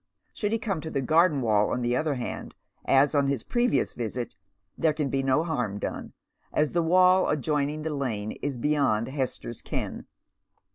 Should he come to the garden wall, on the other hand, as on his previous visit, there can be no harm done, as the wall adjoining the lane is beyond Hester's ken.